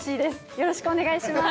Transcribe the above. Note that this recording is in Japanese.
よろしくお願いします。